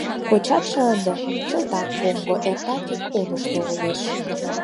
Кочатше ынде — чылтак поҥго: эртак ик олмышто улеш.